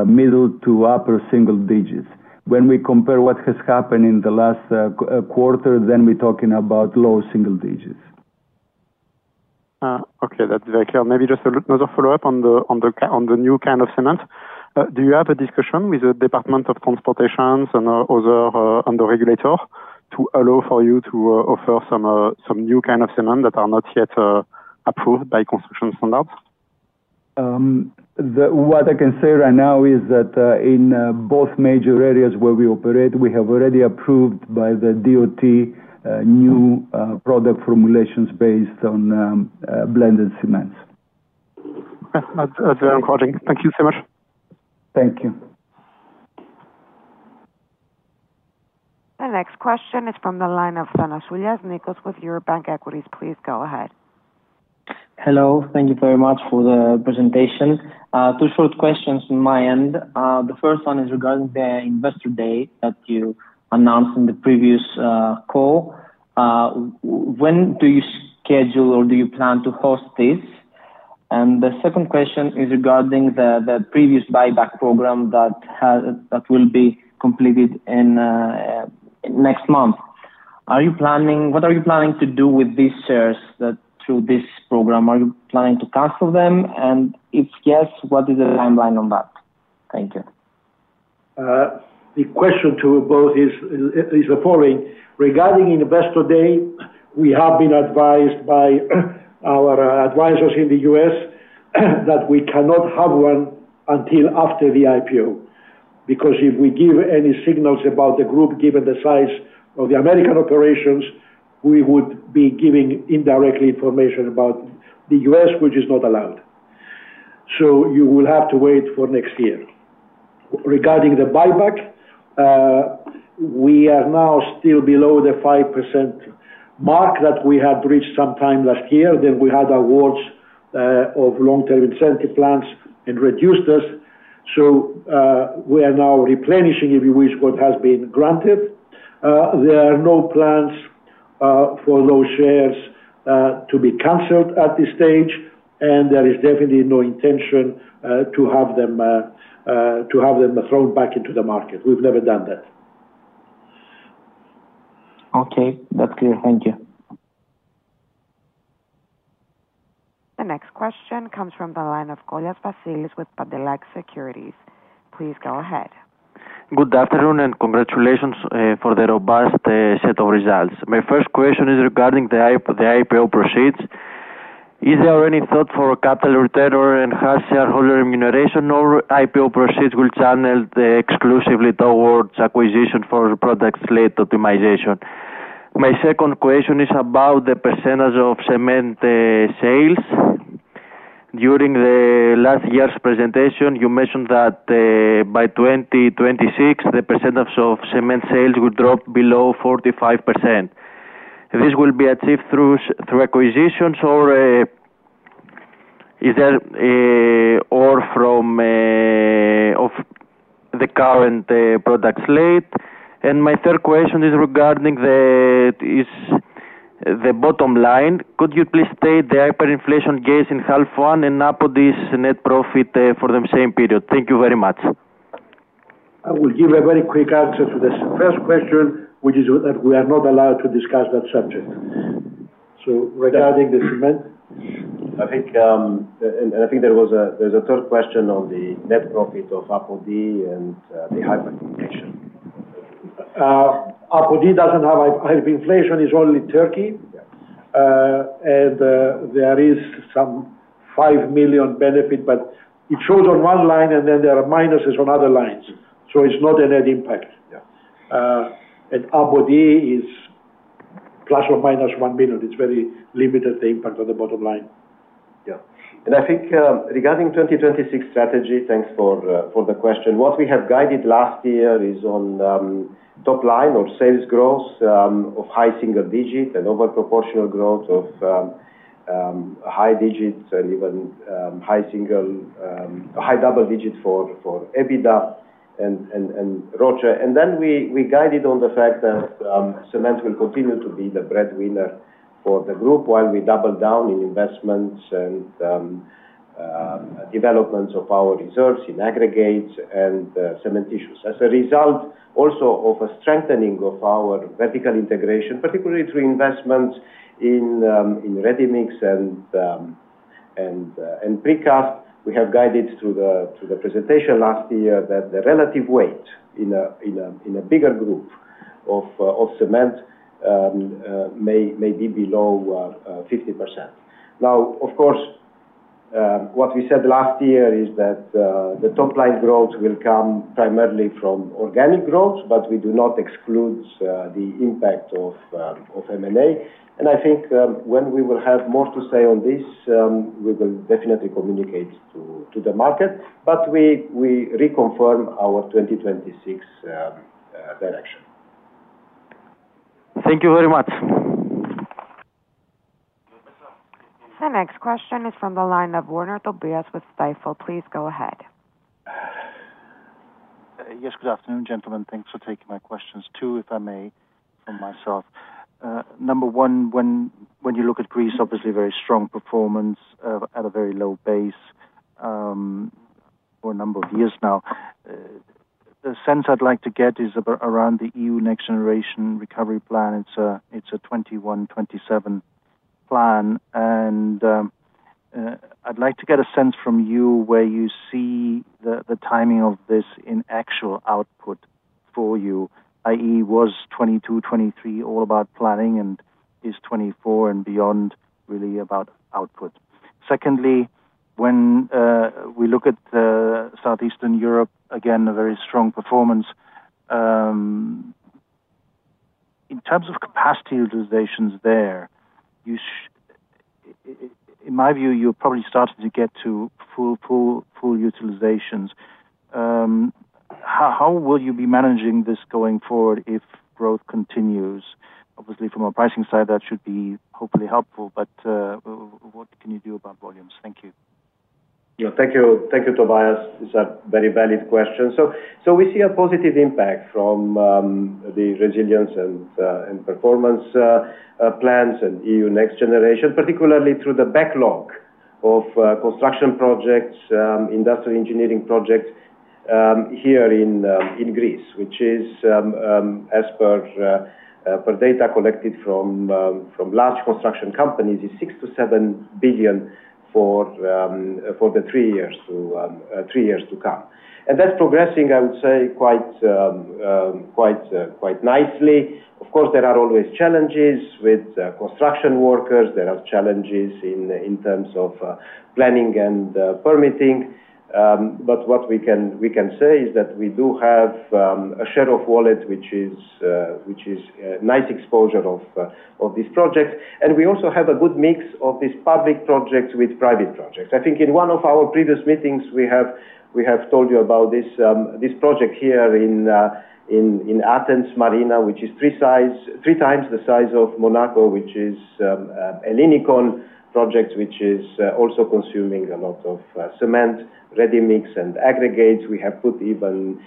middle to upper single digits. When we compare what has happened in the last quarter, then we're talking about low single digits. Okay, that's very clear. Maybe just a little follow-up on the new kind of cement. Do you have a discussion with the Department of Transportation and other on the regulator, to allow for you to offer some new kind of cement that are not yet approved by construction standards? What I can say right now is that in both major areas where we operate, we have already approved by the DOT new product formulations based on blended cements. That's very encouraging. Thank you so much. Thank you. The next question is from the line of Nikos Thanasoulas with Eurobank Equities. Please go ahead. Hello. Thank you very much for the presentation. Two short questions on my end. The first one is regarding the investor day that you announced in the previous call. When do you schedule, or do you plan to host this? And the second question is regarding the previous buyback program that has, that will be completed in next month. Are you planning, what are you planning to do with these shares that through this program? Are you planning to cancel them? And if yes, what is the timeline on that? Thank you. The question to both is, is the following: Regarding investor day, we have been advised by our advisors in the U.S., that we cannot have one until after the IPO. Because if we give any signals about the group, given the size of the American operations, we would be giving indirectly information about the U.S., which is not allowed. So you will have to wait for next year. Regarding the buyback, we are now still below the 5% mark that we had reached sometime last year. Then we had awards of long-term incentive plans and reduced us. So, we are now replenishing, if you wish, what has been granted. There are no plans for those shares to be canceled at this stage, and there is definitely no intention to have them thrown back into the market. We've never done that. Okay, that's clear. Thank you. The next question comes from the line of Vasilis Kollias with Pantelakis Securities. Please go ahead. Good afternoon, and congratulations for the robust set of results. My first question is regarding the IPO proceeds. Is there any thought for capital return or enhanced shareholder remuneration, or IPO proceeds will channel exclusively towards acquisition for product slate optimization? My second question is about the percentage of cement sales. During the last year's presentation, you mentioned that by 2026, the percentage of cement sales would drop below 45%. This will be achieved through acquisitions, or is there or from of the current product slate? And my third question is regarding the bottom line. Could you please state the hyperinflation gains in half one, and Apodi's net profit for the same period? Thank you very much. I will give a very quick answer to this first question, which is that we are not allowed to discuss that subject. So regarding the cement? I think there's a third question on the net profit of Apodi and the hyperinflation. Apodi doesn't have hyperinflation. Hyperinflation is only Turkey. Yes. There is some 5 million benefit, but it shows on one line, and then there are minuses on other lines, so it's not a net impact. Yeah. Apodi is ±1 million. It's very limited, the impact on the bottom line. Yeah. And I think, regarding 2026 strategy, thanks for the question. What we have guided last year is on top line or sales growth of high single digit and over proportional growth of high digits and even high single high double digits for EBITDA and ROCE. And then we guided on the fact that cement will continue to be the breadwinner for the group, while we double down in investments and developments of our reserves in aggregates and cementitious. As a result, also of a strengthening of our vertical integration, particularly through investments in ready mix and precast, we have guided through the presentation last year, that the relative weight in a bigger group of cement may be below 50%. Now, of course, what we said last year is that the top-line growth will come primarily from organic growth, but we do not exclude the impact of M&A. And I think, when we will have more to say on this, we will definitely communicate to the market. But we reconfirm our 2026 direction. Thank you very much. The next question is from the line of Tobias Woerner with Stifel. Please go ahead. Yes, good afternoon, gentlemen. Thanks for taking my questions, two, if I may, from myself. Number one, when you look at Greece, obviously a very strong performance at a very low base for a number of years now. The sense I'd like to get is about around the EU Next Generation Recovery Plan. It's a 21, 27 plan, and I'd like to get a sense from you where you see the timing of this in actual output for you, i.e., was 22, 23 all about planning, and is 24 and beyond really about output? Secondly, when we look at Southeast Europe, again, a very strong performance. In terms of capacity utilizations there, in my view, you're probably starting to get to full utilizations. How will you be managing this going forward if growth continues? Obviously, from a pricing side, that should be hopefully helpful, but, what can you do about volumes? Thank you. Yeah. Thank you. Thank you, Tobias. It's a very valid question. So we see a positive impact from the resilience and performance plans and EU Next Generation, particularly through the backlog of construction projects, industrial engineering projects, here in Greece, which is, as per data collected from large construction companies, 6-7 billion for the three years to come. And that's progressing, I would say, quite nicely. Of course, there are always challenges with construction workers. There are challenges in terms of planning and permitting. What we can say is that we do have a share of wallet, which is a nice exposure of these projects. We also have a good mix of these public projects with private projects. I think in one of our previous meetings, we have told you about this project here in Athens Marina, which is 3x the size of Monaco, which is the Ellinikon project, which is also consuming a lot of cement, ready-mix, and aggregates. We have put even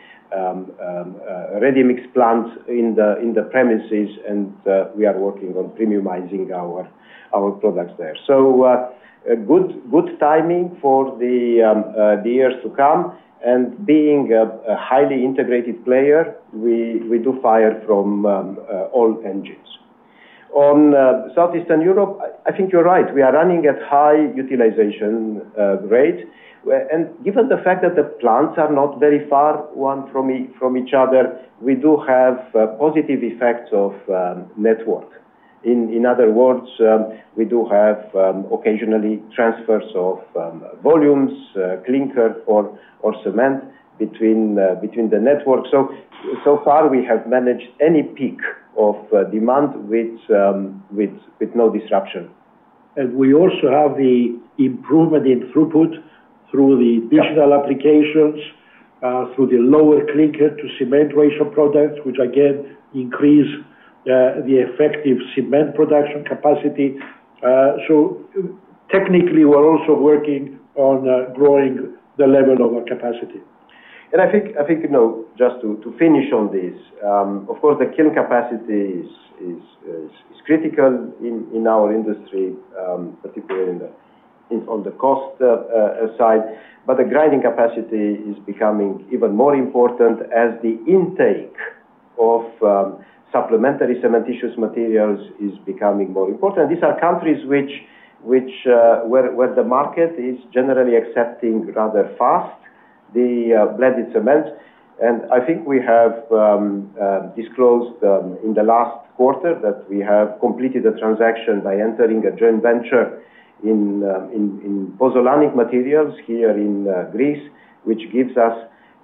ready-mix plants in the premises, and we are working on premiumizing our products there. So, a good, good timing for the years to come, and being a highly integrated player, we do fire from all engines. On Southeast Europe, I think you're right. We are running at high utilization rate, and given the fact that the plants are not very far, one from each other, we do have positive effects of network. In other words, we do have occasional transfers of volumes, clinker or cement between the network. So far, we have managed any peak of demand with no disruption. We also have the improvement in throughput through the- Yeah Digital applications, through the lower clinker to cement ratio products, which again increase the effective cement production capacity. So technically, we're also working on growing the level of our capacity. I think, you know, just to finish on this, of course, the kiln capacity is critical in our industry, particularly on the cost side. But the grinding capacity is becoming even more important as the intake of supplementary cementitious materials is becoming more important. These are countries where the market is generally accepting rather fast the blended cement. And I think we have disclosed in the last quarter that we have completed a transaction by entering a joint venture in pozzolanic materials here in Greece, which gives us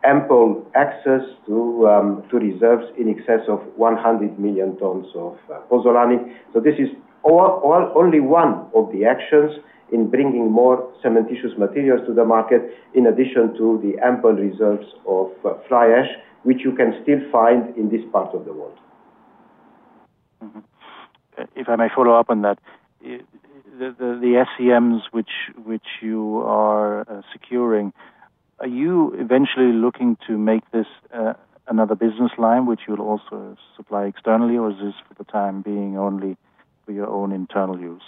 ample access to reserves in excess of 100 million tons of pozzolanic. So this is on only one of the actions in bringing more cementitious materials to the market, in addition to the ample reserves of fly ash, which you can still find in this part of the world. If I may follow up on that. The SCMs which you are securing, are you eventually looking to make this another business line, which you'll also supply externally, or is this for the time being only for your own internal use?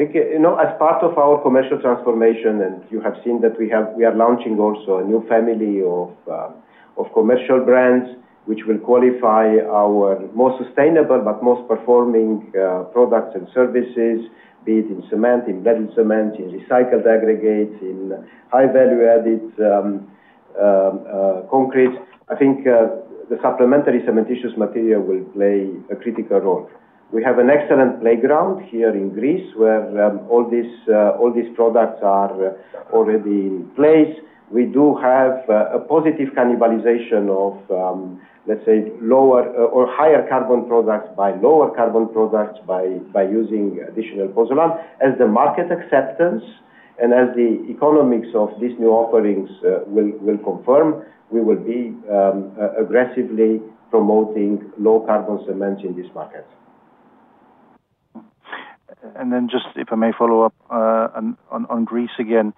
I think, you know, as part of our commercial transformation, and you have seen that we are launching also a new family of commercial brands, which will qualify our more sustainable, but most performing, products and services, be it in cement, in blended cement, in recycled aggregates, in high value-added concrete. I think, the supplementary cementitious material will play a critical role. We have an excellent playground here in Greece, where all these products are already in place. We do have a positive cannibalization of, let's say, lower or higher carbon products by lower carbon products, by using additional pozzolan. As the market acceptance and as the economics of these new offerings will confirm, we will be aggressively promoting low-carbon cements in this market. And then just, if I may follow up, on Greece again.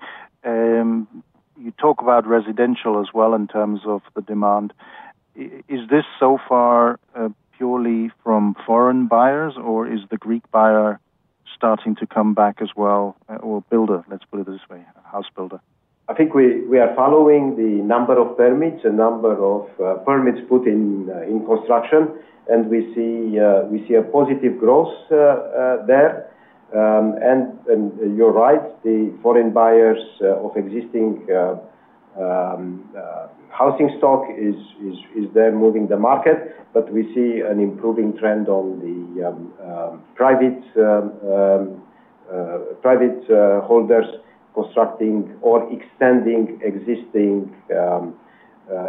You talk about residential as well in terms of the demand. Is this so far purely from foreign buyers, or is the Greek buyer starting to come back as well? Or builder, let's put it this way, a house builder. I think we are following the number of permits, the number of permits put in in construction, and we see a positive growth there. And you're right, the foreign buyers of existing housing stock is there moving the market. But we see an improving trend on the private holders constructing or extending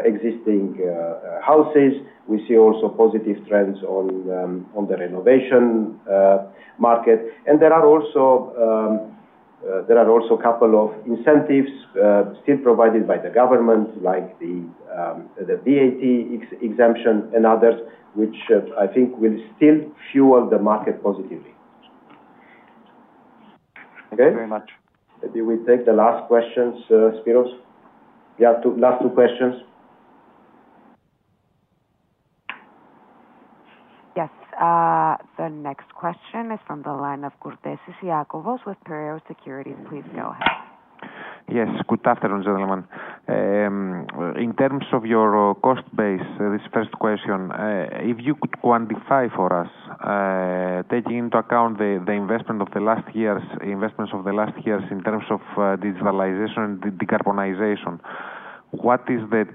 existing houses. We see also positive trends on the renovation market. And there are also a couple of incentives still provided by the government, like the VAT exemption and others, which I think will still fuel the market positively. Okay? Thank you very much. Do we take the last questions, Spyros? We have two, last two questions. Yes. The next question is from the line of Iakovos Kourtesis with Piraeus Securities. Please go ahead. Yes. Good afternoon, gentlemen. In terms of your cost base, this first question, if you could quantify for us, taking into account the investments of the last years in terms of digitalization and decarbonization. What is the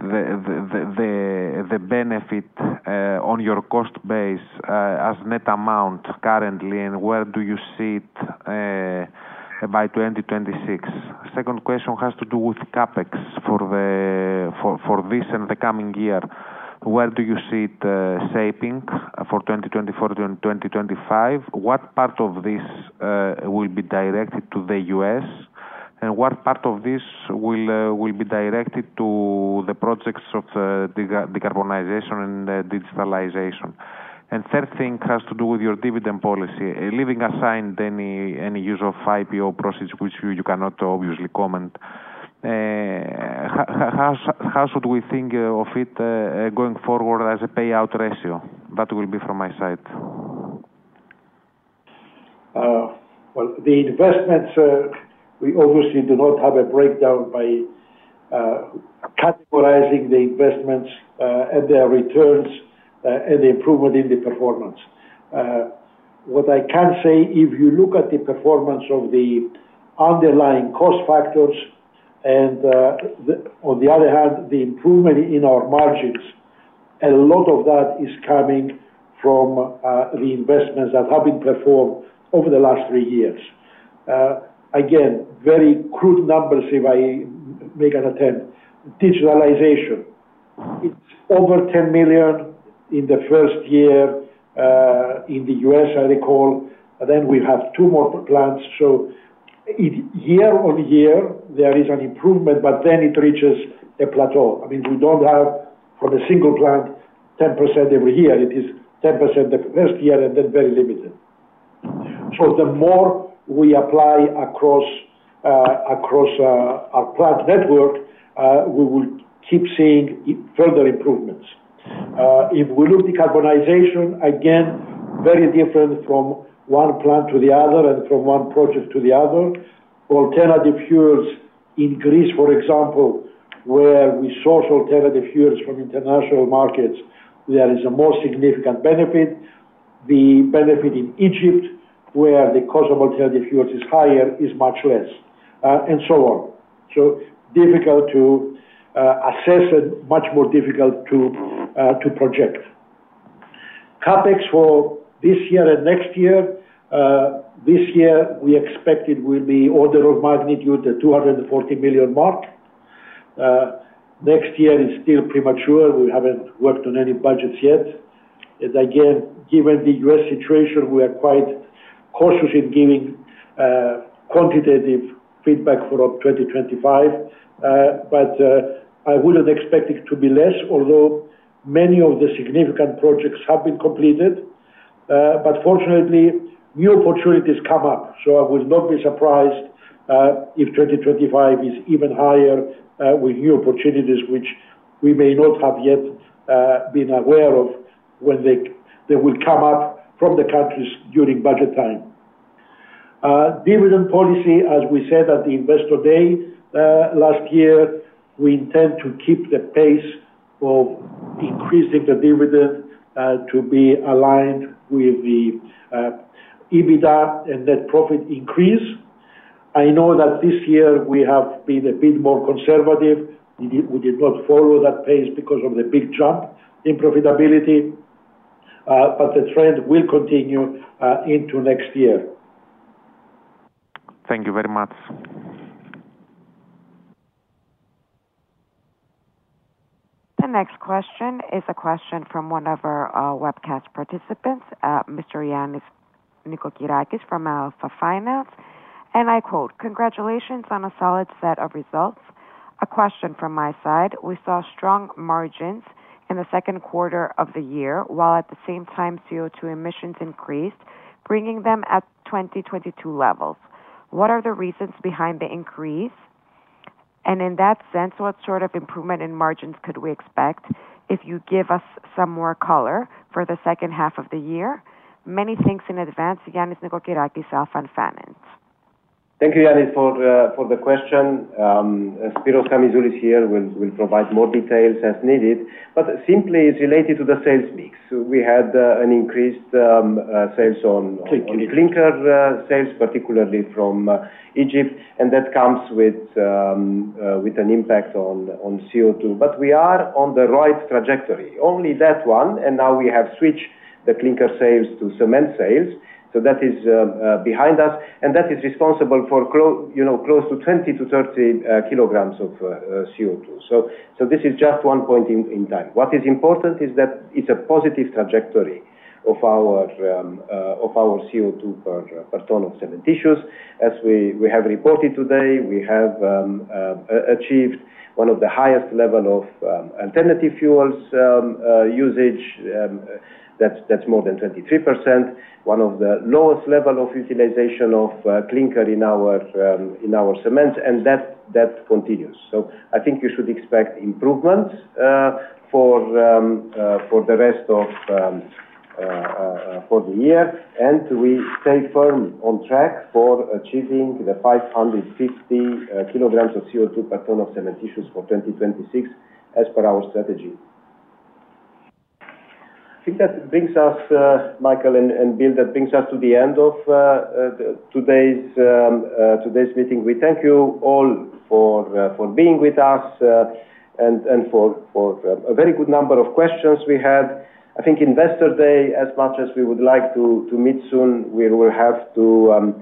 benefit on your cost base as net amount currently, and where do you see it by 2026? Second question has to do with CapEx for this and the coming year. Where do you see it shaping for 2024 to 2025? What part of this will be directed to the U.S., and what part of this will be directed to the projects of decarbonization and digitalization? And third thing has to do with your dividend policy. Leaving aside any use of IPO proceeds, which you cannot obviously comment, how should we think of it going forward as a payout ratio? That will be from my side. Well, the investments, we obviously do not have a breakdown by categorizing the investments, and their returns, and the improvement in the performance. What I can say, if you look at the performance of the underlying cost factors, and on the other hand, the improvement in our margins, a lot of that is coming from the investments that have been performed over the last three years. Again, very crude numbers, if I make an attempt. Digitalization, it's over $10 million in the first year, in the U.S., I recall. Then we have two more plants. So year-over-year, there is an improvement, but then it reaches a plateau. I mean, we don't have, for the single plant, 10% every year. It is 10% the first year and then very limited. So the more we apply across our plant network, we will keep seeing further improvements. If we look decarbonization, again, very different from one plant to the other and from one project to the other. Alternative fuels in Greece, for example, where we source alternative fuels from international markets, there is a more significant benefit. The benefit in Egypt, where the cost of alternative fuels is higher, is much less, and so on. So difficult to assess and much more difficult to project. CapEx for this year and next year, this year, we expect it will be order of magnitude, the 240 million mark. Next year is still premature. We haven't worked on any budgets yet. And again, given the U.S. situation, we are quite cautious in giving quantitative feedback for 2025. But I wouldn't expect it to be less, although many of the significant projects have been completed. But fortunately, new opportunities come up, so I would not be surprised if 2025 is even higher, with new opportunities which we may not have yet been aware of, when they will come up from the countries during budget time. Dividend policy, as we said at the Investor Day last year, we intend to keep the pace of increasing the dividend to be aligned with the EBITDA and net profit increase. I know that this year we have been a bit more conservative. We did not follow that pace because of the big jump in profitability, but the trend will continue into next year. Thank you very much. The next question is a question from one of our webcast participants, Mr. Ioannis Noikokyrakis from Alpha Finance. And I quote: "Congratulations on a solid set of results. A question from my side. We saw strong margins in the second quarter of the year, while at the same time, CO₂ emissions increased, bringing them at 2022 levels. What are the reasons behind the increase? And in that sense, what sort of improvement in margins could we expect if you give us some more color for the second half of the year? Many thanks in advance. Ioannis Noikokyrakis, Alpha Finance. Thank you, Yanni, for the question. Spyros Kamizoulis here will provide more details as needed, but simply, it's related to the sales mix. We had an increased sales on- Clinker. clinker sales, particularly from Egypt, and that comes with an impact on CO₂. But we are on the right trajectory, only that one, and now we have switched the clinker sales to cement sales. So that is behind us, and that is responsible for clo-- you know, close to 20-30 kilograms of CO₂. So this is just one point in time. What is important is that it's a positive trajectory of our CO₂ per ton of cement emissions. As we have reported today, we have achieved one of the highest level of alternative fuels usage. That's more than 23%. One of the lowest level of utilization of clinker in our cement, and that continues. So I think you should expect improvements for the rest of the year, and we stay firm on track for achieving 560 kilograms of CO₂ per ton of cement emissions for 2026 as per our strategy. I think that brings us, Michael and Bill, that brings us to the end of today's meeting. We thank you all for being with us and for a very good number of questions we had. I think Investor Day, as much as we would like to meet soon, we will have to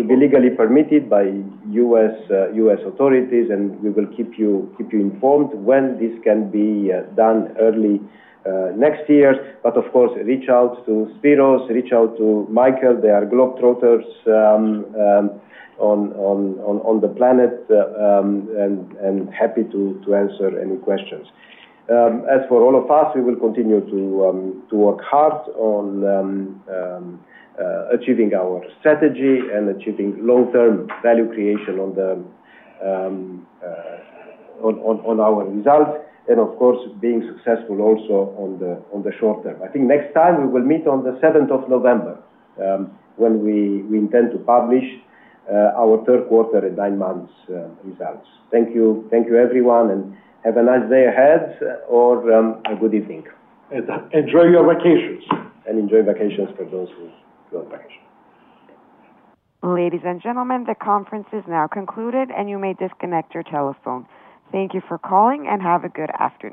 be legally permitted by U.S. authorities, and we will keep you informed when this can be done early next year. But of course, reach out to Spyros, reach out to Michael. They are globetrotters on the planet, and happy to answer any questions. As for all of us, we will continue to work hard on achieving our strategy and achieving long-term value creation on our results, and of course, being successful also on the short term. I think next time we will meet on the 7th of November, when we intend to publish our third quarter and nine months results. Thank you, thank you everyone, and have a nice day ahead or a good evening. Enjoy your vacations. Enjoy vacations for those who go on vacation. Ladies and gentlemen, the conference is now concluded, and you may disconnect your telephone. Thank you for calling, and have a good afternoon.